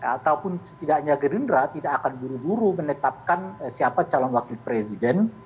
ataupun setidaknya gerindra tidak akan buru buru menetapkan siapa calon wakil presiden